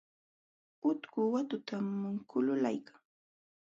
Utku watutam kululaykan.